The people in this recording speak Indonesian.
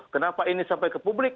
kenapa ini sampai ke publik